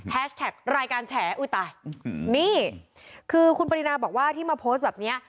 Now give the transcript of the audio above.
แท็กรายการแฉอุ้ยตายนี่คือคุณปรินาบอกว่าที่มาโพสต์แบบเนี้ย